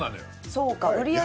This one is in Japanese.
そうか。